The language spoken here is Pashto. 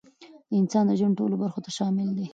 د انسان د ژوند ټولو برخو ته شامل دی،